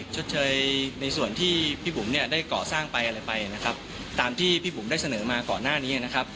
ชดเชยในส่วนที่พี่บุ๋มเนี่ยได้ก่อสร้างไปอะไรไปนะครับตามที่พี่บุ๋มได้เสนอมาก่อนหน้านี้นะครับ